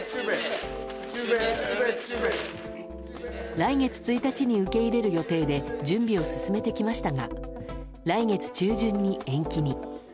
来月１日に受け入れる予定で準備を進めてきましたが来月中旬に延期に。